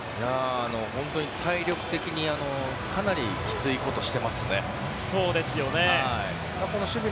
本当に体力的にかなりきついことしてますね。